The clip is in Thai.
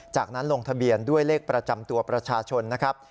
จากนั้นลงทะเบียนด้วยเลขประจำตัวประชาชนนะครับ